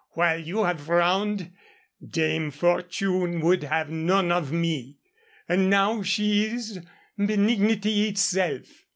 While you have frowned, Dame Fortune would have none of me. And now she is benignity itself."